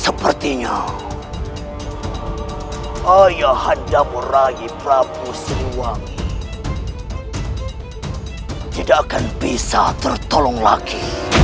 sepertinya ayah anda merayi prabu sriwangi tidak akan bisa tertolong lagi